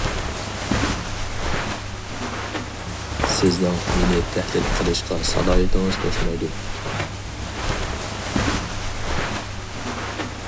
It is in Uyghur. سىزنىڭ مېنى تەھلىل قىلىشقا سالاھىيىتىڭىز توشمايدۇ.